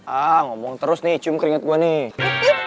ah ngomong terus nih cium keringet gue nih